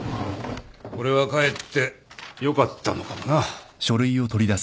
これはかえってよかったのかもな。